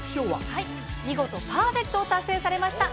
はい見事パーフェクトを達成されました